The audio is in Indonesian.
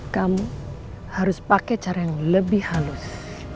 kamu harus pakai cara yang lebih halus